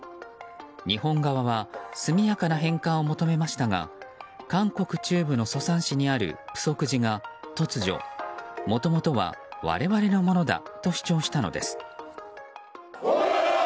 日本側は速やかな返還を求めましたが韓国中部のソサン市にあるプソク寺が突如もともとは我々のものだと主張したのです。